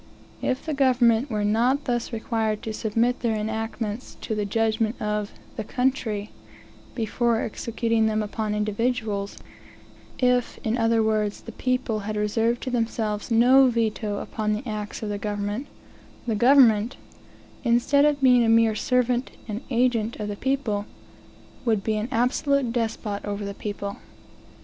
If the government were not thus required to submit their enactments to the judgment of "the country," before executing them upon individuals if, in other words, the people had reserved to themselves no veto upon the acts of the government, the government, instead of being a mere servant and agent of the people, would be an absolute despot over the people.